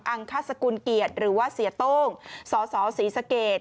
องคสกุลเกียรติหรือว่าเสียโต้งสสศรีสเกต